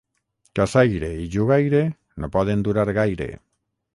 Caçaire i jugaire no poden durar gaire.